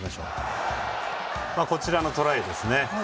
こちらのトライですね。